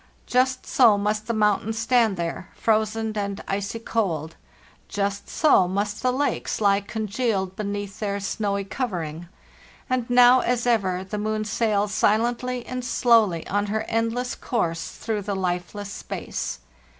Just so must the mountains stand there, frozen and icy cold; just so must the lakes le con gealed beneath their snowy covering; and now as ever the moon sails silently and slowly on her endless course through the lfeless space.